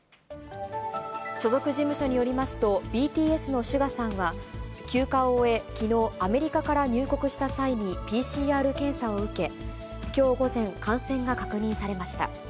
所属事務所によりますと、ＢＴＳのＳＵＧＡさんは、休暇を終え、きのう、アメリカから入国した際にＰＣＲ検査を受け、きょう午前、感染が確認されました。